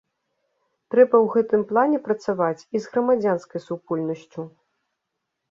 Трэба ў гэтым плане працаваць і з грамадзянскай супольнасцю.